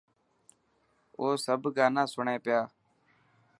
او سب گانا سڻي پيا.